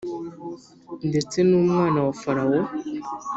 Ndetse n umwana wa Farawo